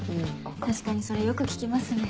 確かにそれよく聞きますね。